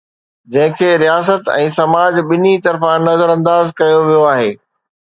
جنهن کي رياست ۽ سماج ٻنهي طرفان نظرانداز ڪيو ويو آهي.